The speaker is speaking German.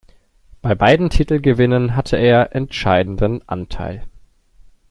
Bei beiden Titelgewinnen hatte er entscheidenden Anteil.